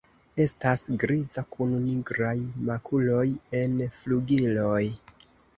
Estas griza kun nigraj makuloj en flugiloj.